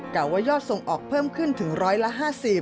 กล่าวว่ายอดส่งออกเพิ่มขึ้นถึงร้อยละ๕๐